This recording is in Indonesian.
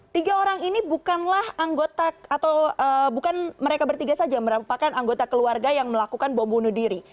tiga orang ini bukanlah anggota atau bukan mereka bertiga saja merupakan anggota keluarga yang melakukan bom bunuh diri